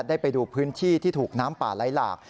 ไปดูพื้นที่ที่ถูกน้ำป่าไหลหลาก